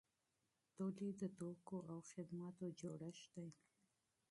تولید د توکو او خدماتو جوړښت دی.